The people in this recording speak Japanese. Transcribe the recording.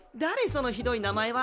そのひどい名前は。